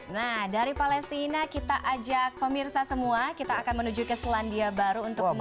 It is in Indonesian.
nah dari palestina kita ajak pemirsa semua kita akan menuju ke selandia baru untuk kembali